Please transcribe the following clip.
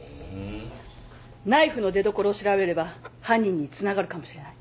ナイフの出どころを調べれば犯人につながるかもしれない。